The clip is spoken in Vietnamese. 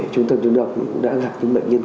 trung tâm chống độc đã gặp những bệnh nhân